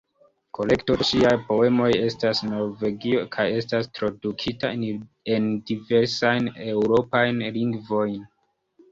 Kolekto de ŝiaj poemoj estas en Norvegio kaj estas tradukita en diversajn eŭropajn lingvojn.